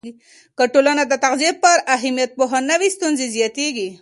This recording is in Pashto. که ټولنه د تغذیې پر اهمیت پوهه نه وي، ستونزې زیاتېږي.